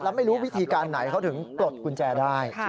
แล้วไม่รู้วิธีการไหนเขาถึงปลดกุญแจได้